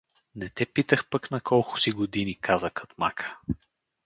— Не те питах пък на колко си години — каза Кутмака.